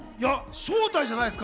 招待じゃないですか？